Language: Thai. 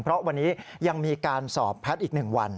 เพราะวันนี้ยังมีการสอบแพทย์อีก๑วัน